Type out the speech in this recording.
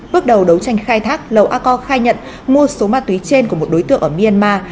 bước đầu đấu tranh khai thác lầu a co khai nhận mua số ma túy trên của một đối tượng ở myanmar